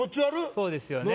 そうですよね